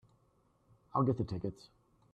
I'll get the tickets.